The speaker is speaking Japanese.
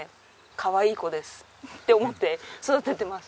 かわいい子です。って思って育ててます！